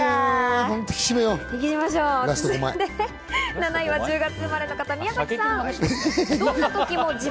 ７位は１０月生まれの方、宮崎さん。